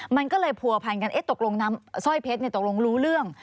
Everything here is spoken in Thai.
มันก็เลยพันกันเอ๊ะตกลงน้ำสร้อยเพชรเนี่ยตกลงรู้เรื่อง